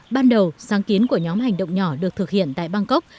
ban đầu sáng kiến của nhóm hành động nhỏ được thực hiện tại bangkok